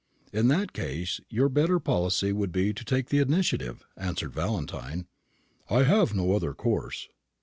"In that case your better policy would be to take the initiative," answered Valentine. "I have no other course."